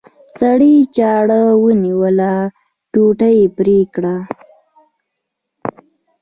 سړي چاړه ونیوله ټوټه یې پرې کړه.